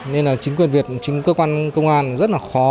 nên là chính quyền việt chính cơ quan công an rất là khó